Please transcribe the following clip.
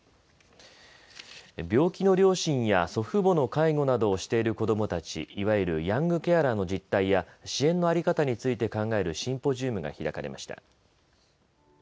病気の両親や祖父母の介護などをしている子どもたち、いわゆるヤングケアラーの実態や支援の在り方について考えるシンポジウムが開かれました。